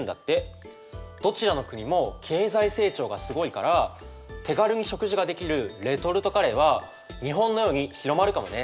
どちらの国も経済成長がすごいから手軽に食事ができるレトルトカレーは日本のように広まるかもね。